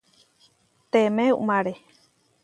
Temé uʼmáre.